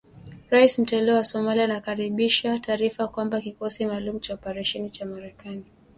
Raisi mteule wa Somalia anakaribisha taarifa kwamba kikosi maalumu cha operesheni cha Marekani